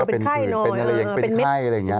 เป็นผื่นเป็นอะไรยังเป็นไข้อะไรอย่างนี้